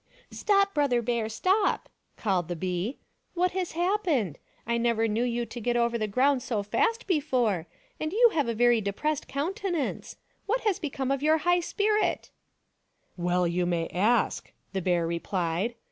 " Stop, Brother Bear, stop !" called the bee. " What has happened ? I never knew you to get over the ground so fast before, and you have a very depressed countenance. What has become of your high spirit ?"" You may well ask," the bear replied.